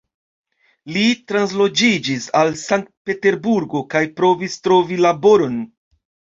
Li transloĝiĝis al Sankt-Peterburgo kaj provis trovi laboron.